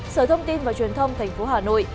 sở thông tin và truyền thông thành phố hà nội